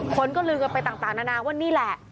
คนก็ลือกันไปต่างนานาว่านี่แหละ